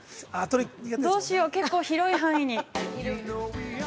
どうしよう、結構広い範囲に。